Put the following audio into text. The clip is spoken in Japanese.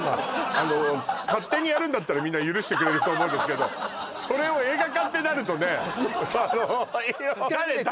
あの勝手にやるんだったらみんな許してくれると思うんですけどそれを映画化ってなるとねあの誰？